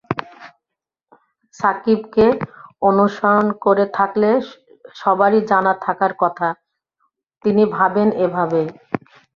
সাকিবকে অনুসরণ করে থাকলে সবারই জানা থাকার কথা, তিনি ভাবেন এভাবেই।